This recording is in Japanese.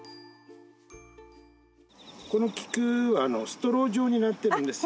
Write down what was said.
この菊はストロー状になってるんですよ。